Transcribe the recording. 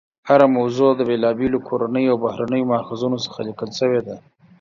هره موضوع د بېلابېلو کورنیو او بهرنیو ماخذونو څخه لیکل شوې ده.